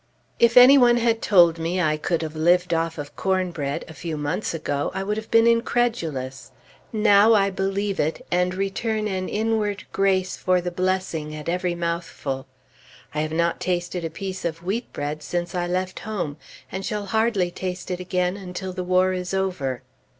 If any one had told me I could have lived off of cornbread, a few months ago, I would have been incredulous; now I believe it, and return an inward grace for the blessing at every mouthful. I have not tasted a piece of wheatbread since I left home, and shall hardly taste it again until the war is over.